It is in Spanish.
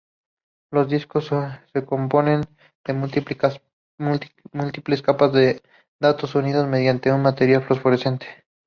Los discos se componen de múltiples capas de datos unidos mediante un material fluorescente.